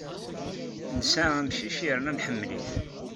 Nesɛa amcic yerna nḥemmel-it.